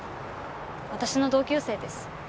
私の同級生です。